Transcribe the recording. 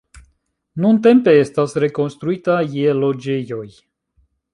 Nuntempe estas rekonstruita je loĝejoj.